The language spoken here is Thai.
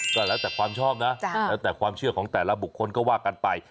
ก็แล้วแต่ความชอบนะแล้วแต่ความเชื่อของแต่ละบุคคลก็ว่ากันไป